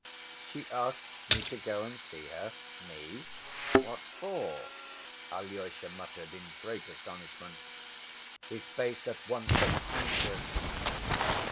"She asks me to go and see her? Me? What for?" Alyosha muttered in great astonishment. His face at once looked anxious.